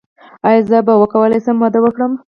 ایا زه به وکولی شم واده وکړم؟